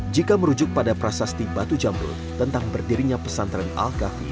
jika merujuk pada prasasti batu jambrut tentang berdirinya pesantren al kahfi